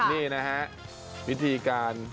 นี่นะฮะวิธีการ